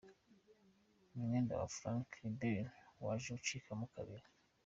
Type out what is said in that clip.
Umwenda wa Frank Riberyb waje gucikamo kabiri.